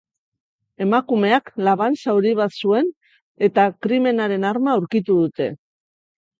Emakumeak laban zauri bat zuen eta krimenaren arma aurkitu dute.